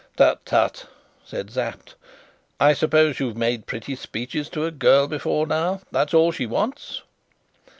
"Tut, tut!" said Sapt. "I suppose you've made pretty speeches to a girl before now? That's all she wants."